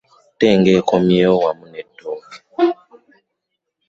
Ate ng'ekomyewo wamu n'ettooke